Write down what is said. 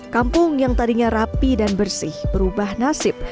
kampung yang tadinya rapi dan bersih berubah nasib